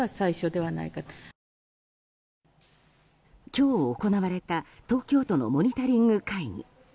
今日行われた東京都のモニタリング会議。